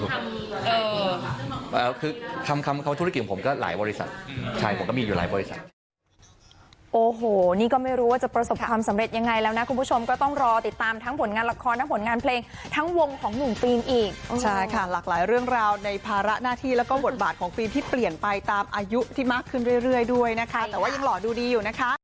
คือคำคำคำธุรกิจของผมก็หลายบริษัทใช่ผมก็มีอยู่หลายบริษัท